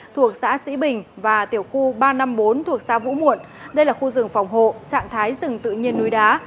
thuộc xã sĩ bình và tiểu khu ba trăm năm mươi bốn thuộc xã vũ muộn đây là khu rừng phòng hộ trạng thái rừng tự nhiên núi đá